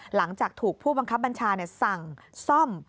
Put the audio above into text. หลังจากถูกผู้บังคับบัญชาสั่งซ่อม